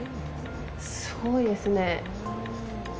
すごいですね。